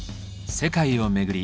世界を巡り